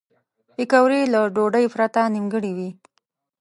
پکورې له ډوډۍ پرته نیمګړې وي